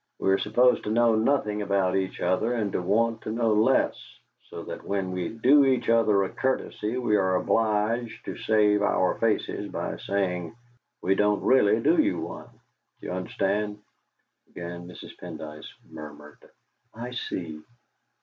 "We are supposed to know nothing about each other and to want to know less, so that when we do each other a courtesy we are obliged to save our faces by saying, 'We don't really do you one.' D'you understand?" Again Mrs. Pendyce murmured: "I see."